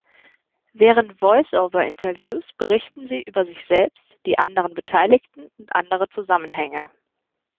Während Voice-over-Interviews berichten sie über sich selbst, die anderen Beteiligten und andere Zusammenhänge.